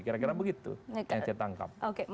kira kira begitu yang ditangkap